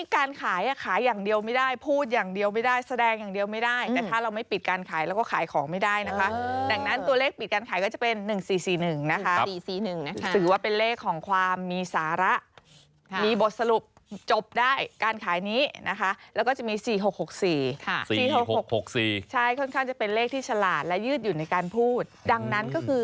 การขายขายอย่างเดียวไม่ได้พูดอย่างเดียวไม่ได้แสดงอย่างเดียวไม่ได้แต่ถ้าเราไม่ปิดการขายแล้วก็ขายของไม่ได้นะคะดังนั้นตัวเลขปิดการขายก็จะเป็น๑๔๔๑นะคะ๔๔๑นะคะถือว่าเป็นเลขของความมีสาระมีบทสรุปจบได้การขายนี้นะคะแล้วก็จะมี๔๖๖๔๔๖๖๖๔ใช่ค่อนข้างจะเป็นเลขที่ฉลาดและยืดอยู่ในการพูดดังนั้นก็คือ